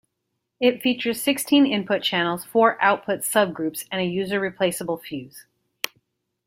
It features sixteen input channels, four output sub-groups, and a user-replaceable fuse.